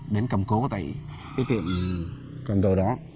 đến cầm cố tại cái tiệm cầm đồ đó